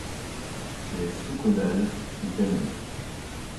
Les sous-caudales sont cannelle.